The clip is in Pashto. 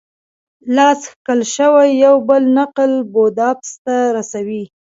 لاس کښل شوی یو بل نقل بوداپست ته رسوي.